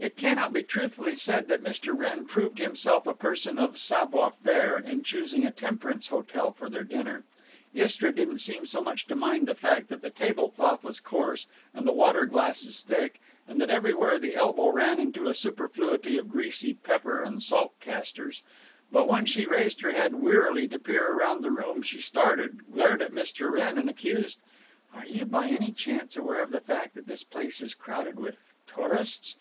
It cannot be truthfully said that Mr. Wrenn proved himself a person of savoir faire in choosing a temperance hotel for their dinner. Istra didn't seem so much to mind the fact that the table cloth was coarse and the water glasses thick, and that everywhere the elbow ran into a superfluity of greasy pepper and salt castors. But when she raised her head wearily to peer around the room she started, glared at Mr. Wrenn, and accused: "Are you by any chance aware of the fact that this place is crowded with tourists?